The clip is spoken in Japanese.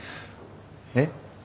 えっ？